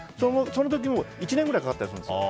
その時も１年くらいかかったりするんです。